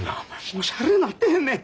もうしゃれになってへんねん！